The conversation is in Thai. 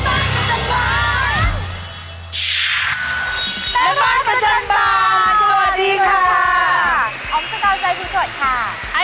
อายุพิษฎาจรกรของข้า